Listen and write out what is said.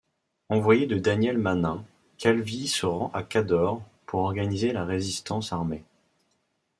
Envoyé de Daniele Manin, Calvi se rend à Cadore pour organiser la résistance armée.